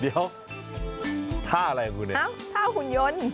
ค่ะท่าหุ่นยนต์